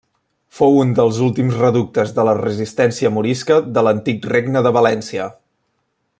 Fou un dels últims reductes de la resistència morisca de l'antic Regne de València.